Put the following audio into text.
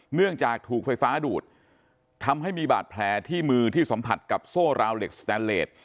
เนื่องจากถูกไฟฟ้าดูดทำให้มีบาดแผลที่มือที่สัมผัสกับโซ่ราวเหล็กสแตนเลส